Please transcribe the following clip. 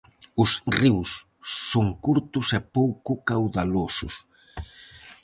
Os ríos son curtos e pouco caudalosos.